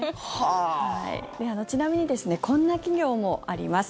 ちなみにこんな企業もあります。